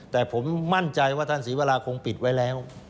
แต่ผมมั่นใจว่าท่านศรีวราคงปิดไว้แล้ว